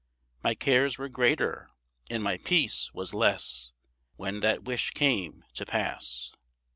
My cares were greater and my peace was less, When that wish came to pass.